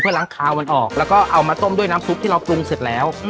ล้างคาวมันออกแล้วก็เอามาต้มด้วยน้ำซุปที่เราปรุงเสร็จแล้ว